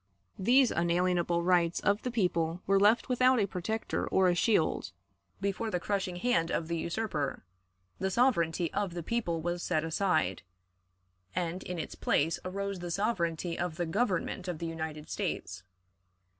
These unalienable rights of the people were left without a protector or a shield before the crushing hand of the usurper; the sovereignty of the people was set aside, and in its place arose the sovereignty of the Government of the United States.